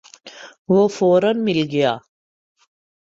وہ فورا مل گیا۔